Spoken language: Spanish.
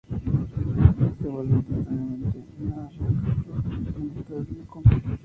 Se vuelve instantáneamente, la arranca por la mitad y la come.